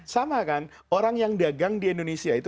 sama kan orang yang dagang di indonesia itu